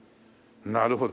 なるほど。